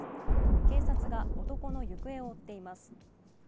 警察が男の行方を追っています。